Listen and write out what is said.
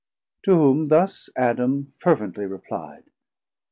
To whom thus Adam fervently repli'd.